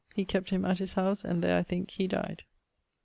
He kept him at his house and there I thinke he dyed.